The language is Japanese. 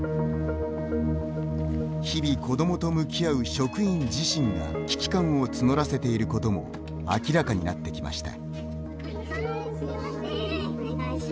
日々、子どもと向き合う職員自身が危機感を募らせていることも明らかになってきました。